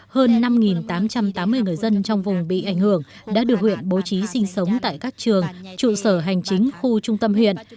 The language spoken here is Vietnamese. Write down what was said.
hơn năm tám trăm tám mươi người dân trong vùng bị ảnh hưởng đã được huyện bố trí sinh sống tại các trường trụ sở hành chính